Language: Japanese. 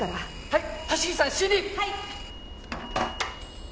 はい！